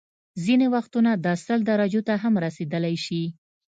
ځینې وختونه دا سل درجو ته هم رسيدلی شي